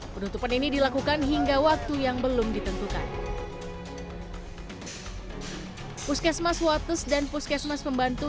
penutupan ini dilakukan hingga waktu yang belum ditentukan puskesmas watus dan puskesmas pembantu